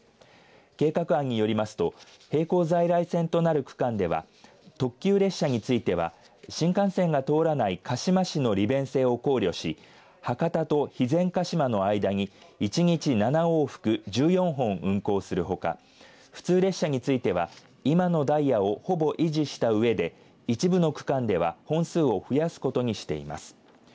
計画案によりますと並行在来線となる区間では特急列車については新幹線が通らない鹿島市の利便性を考慮し博多と肥前鹿島の間に１日７往復１４本、運行するほか普通列車については今のダイヤをほぼ維持したうえで、一部の区間では本数を増やすことにしています。